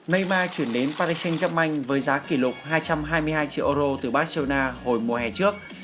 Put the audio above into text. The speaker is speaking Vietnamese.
neymar chuyển đến paris saint germain với giá kỷ lục hai trăm hai mươi hai triệu euro từ barcelona hồi mùa hè trước